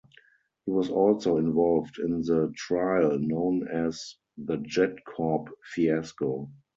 He was also involved in the trial known as the JetCorp fiasco.